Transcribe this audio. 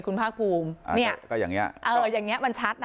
คุณภาคภูมิเนี่ยก็อย่างเงี้เอออย่างเงี้มันชัดนะ